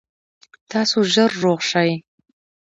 تاسو ژر روغ شئ